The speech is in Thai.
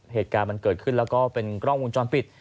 เหตุการณ์มันเกิดขึ้นแล้วก็เป็นกล้องวงจรปิด